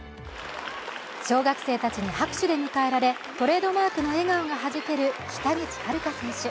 小学生たちに拍手で迎えられトレードマークの笑顔がはじける北口榛花選手。